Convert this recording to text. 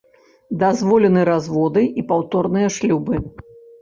Дазволены разводы і паўторныя шлюбы.